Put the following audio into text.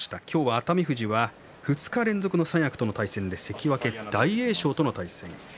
熱海富士は２日連続三役との対戦で大栄翔と対戦します。